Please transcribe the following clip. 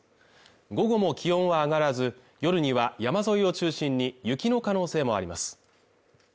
午後も気温は上がらず夜には山沿いを中心に雪の可能性もあります